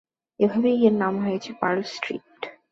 এভাবেই এর নাম হয়েছে পার্ল স্ট্রিট।